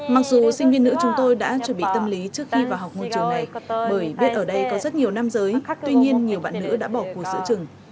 mặc dù sinh viên nữ chúng tôi đã chuẩn bị tâm lý trước khi vào học môi trường này bởi biết ở đây có rất nhiều nam giới tuy nhiên nhiều bạn nữ đã bỏ cuộc giữa trường